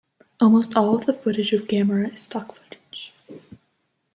Almost all the footage of Gamera is stock footage.